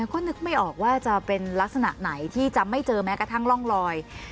ก็นึกไม่ออกว่าจะเป็นลักษณะไหนที่จะไม่เจอแม้กระทั่งร่องลอย